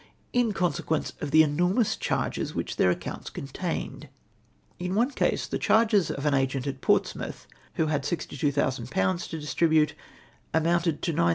in consequence of the enormous charges tuhich their accounts contained. In one case the charges of an agent at Portsmouth, who had 62,000/. to distribute, amounted to 9462